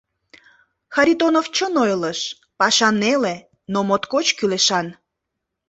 Харитонов чын ойлыш: паша неле, но моткоч кӱлешан.